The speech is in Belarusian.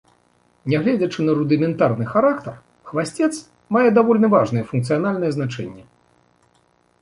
Нягледзячы на рудыментарны характар, хвасцец мае даволі важнае функцыянальнае значэнне.